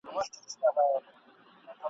هر فرمان به دي راغلی له اسمان وي !.